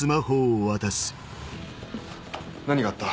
何があった？